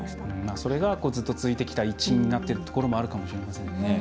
それがずっと続いてきた一因になってるところもあるかもしれませんね。